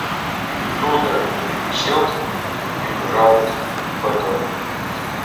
Тудо чылт пӱжалт пытен.